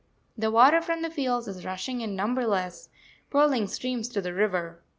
The water from the fields is rushing in numberless, purling streams to the river.